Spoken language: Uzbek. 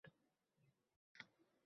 Netay, barxanlarning to‘lqini aro